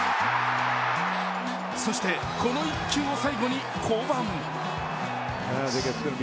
そして、この１球を最後に降板。